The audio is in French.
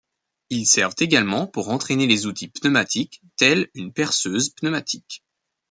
Ils servent également pour entraîner les outils pneumatiques, tels une perceuse pneumatique.